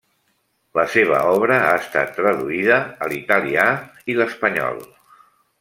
La seva obra ha estat traduïda a l’italià i l’espanyol.